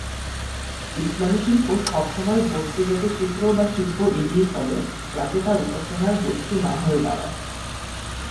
ইসলামি শিল্প সবসময় বস্তুগত চিত্র বা শিল্প এড়িয়ে চলে যাতে তা উপাসনার বস্তু না হয়ে দাড়ায়।